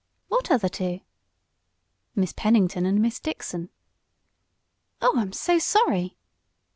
"What other two?" "Miss Pennington and Miss Dixon." "Oh, I'm so sorry."